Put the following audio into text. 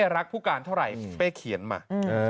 รักผู้การเท่าไหร่เป้เขียนมา